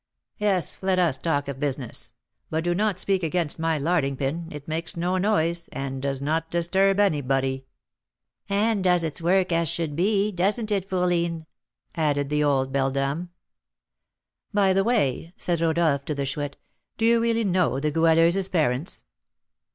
"Yes, let us talk of business; but do not speak against my 'larding pin;' it makes no noise, and does not disturb anybody." "And does its work as should be; doesn't it, fourline?" added the old beldam. "By the way," said Rodolph to the Chouette, "do you really know the Goualeuse's parents?"